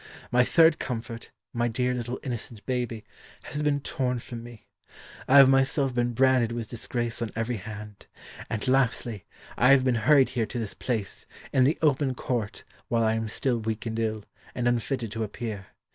My third comfort my dear little innocent baby has been torn from me. I have myself been branded with disgrace on every hand. And, lastly, I have been hurried here to this place, in the open court, while I am still weak and ill, and unfitted to appear.